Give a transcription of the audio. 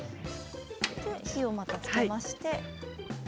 火をまたつけまして。